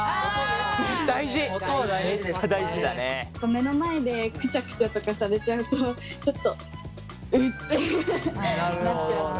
目の前でクチャクチャとかされちゃうとちょっとウッてなっちゃうんで。